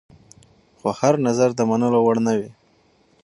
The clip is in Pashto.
خو هر نظر د منلو وړ نه وي.